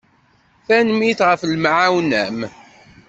Tanemmirt ɣef lemɛawna-m.